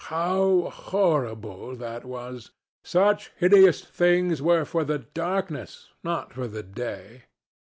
How horrible that was! Such hideous things were for the darkness, not for the day.